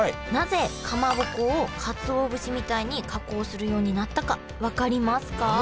なぜかまぼこをかつお節みたいに加工するようになったか分かりますか？